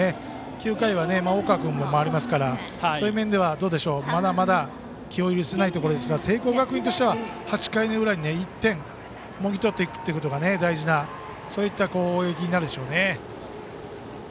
９回は大川君まで回りますからそういう面では、まだまだ気を許せないところですが聖光学院としては８回の裏に１点をもぎ取っていくことが大事な攻撃になるでしょうね。